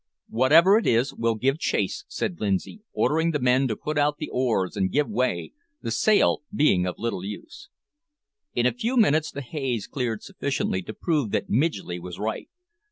"Whatever it is, we'll give chase," said Lindsay, ordering the men to put out the oars and give way, the sail being of little use. In a few minutes the haze cleared sufficiently to prove that Midgley was right.